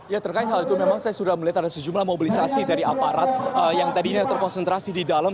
ya terkait hal itu memang saya sudah melihat ada sejumlah mobilisasi dari aparat yang tadinya terkonsentrasi di dalam